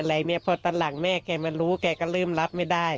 แต่พอต่างหลังแม่แกมารู้แกก็ลืมรับไม่ได้